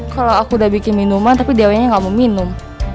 kalau aku udah bikin minuman tapi diawanya gak mau minum